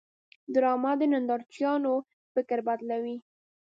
ډرامه د نندارچیانو فکر بدلوي